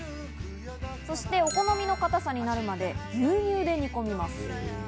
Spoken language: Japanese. そして、お好みの固さになるまで牛乳で煮込みます。